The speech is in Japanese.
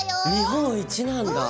あっ日本一なんだ！